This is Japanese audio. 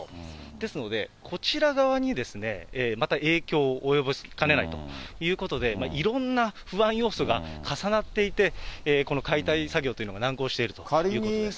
ですので、こちら側にまた影響を及ぼしかねないということで、いろんな不安要素が重なっていて、この解体作業というのが難航しているということです。